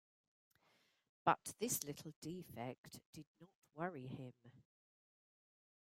But this little defect did not worry him.